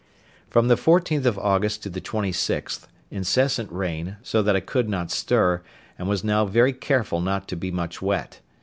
From the 14th of August to the 26th, incessant rain, so that I could not stir, and was now very careful not to be much wet.